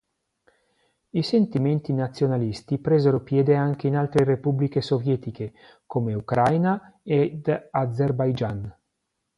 I sentimenti nazionalisti presero piede anche in altre repubbliche sovietiche come Ucraina ed Azerbaigian.